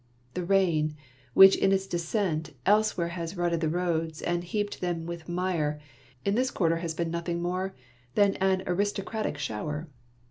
The rain, which in its descent elsewhere has rutted the roads and heaped them with mire, in this quarter has been nothing more than an aristocratic shower.